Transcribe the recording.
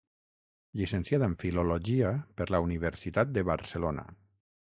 Llicenciada en Filologia per la Universitat de Barcelona.